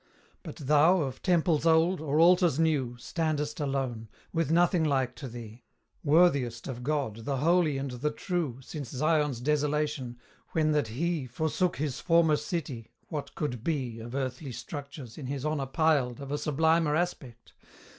But thou, of temples old, or altars new, Standest alone with nothing like to thee Worthiest of God, the holy and the true, Since Zion's desolation, when that he Forsook his former city, what could be, Of earthly structures, in his honour piled, Of a sublimer aspect?